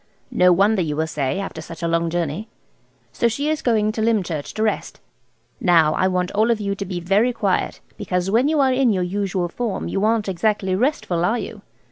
No wonder you will say, after such a long journey. So she is going to Lymchurch to rest. Now I want you all to be very quiet, because when you are in your usual form you aren't exactly restful, are you?